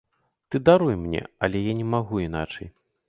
Ты даруй мне, але я не магу іначай.